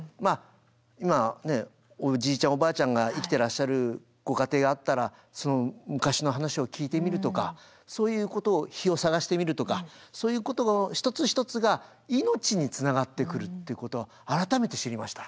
今おじいちゃんおばあちゃんが生きてらっしゃるご家庭があったらその昔の話を聞いてみるとかそういうことを碑を探してみるとかそういうことの一つ一つが命につながってくるっていうことを改めて知りました。